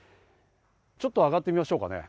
ちょっと上がってみましょうかね。